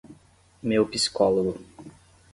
Meu psicólogo